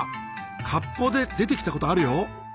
割烹で出てきたことあるよ。